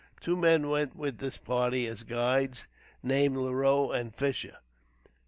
Two men went with this party as guides, named Leroux and Fisher.